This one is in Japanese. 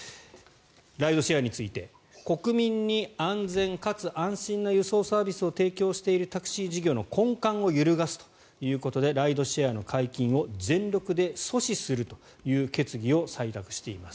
ライドシェアについて国民に安全かつ安心な輸送サービスを提供しているタクシー事業の根幹を揺るがすということでライドシェアの解禁を全力で阻止するという決議を採択しています。